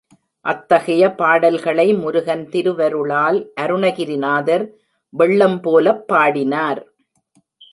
அத்தகைய பாடல்களை முருகன் திருவருளால் அருணகிரிநாதர் வெள்ளம் போலப் பாடினார்.